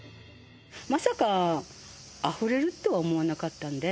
まさかあふれるとは思わなかったんで。